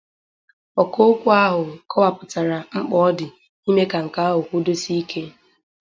Ọkaokwu ahụ kọwapụtara mkpa ọ dị ime ka nke ahụ kwụdosie ike